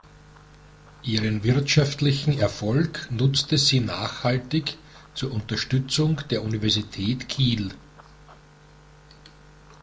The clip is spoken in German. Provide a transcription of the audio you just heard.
Ihren wirtschaftlichen Erfolg nutzte sie nachhaltig zur Unterstützung der Universität Kiel.